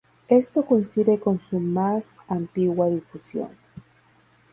Esto coincide con su más antigua difusión.